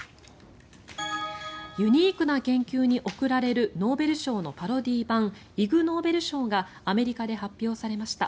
ユニークな研究に贈られるノーベル賞のパロディー版イグノーベル賞がアメリカで発表されました。